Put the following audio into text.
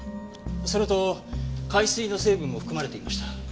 それと海水の成分も含まれていました。